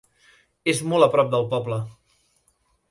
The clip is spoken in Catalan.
És molt a prop del poble.